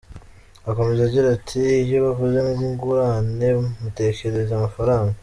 Akomeza agira ati “Iyo bavuze ingurane mutekereza amafaranga.